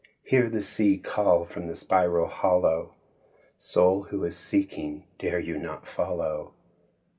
Hear the sea call from the spiral hollow, "Soul who is seeking, dare you not follow?"